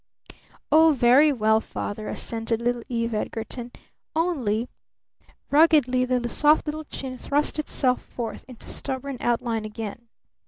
"Oh, very well, Father," assented little Eve Edgarton. "Only " ruggedly the soft little chin thrust itself forth into stubborn outline again.